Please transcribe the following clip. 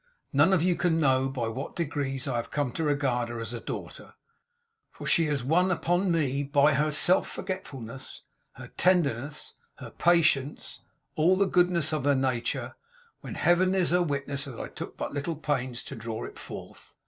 None of you can know by what degrees I have come to regard her as a daughter; for she has won upon me, by her self forgetfulness, her tenderness, her patience, all the goodness of her nature, when Heaven is her witness that I took but little pains to draw it forth.